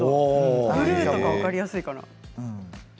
ブルーとか分かりやすいかな。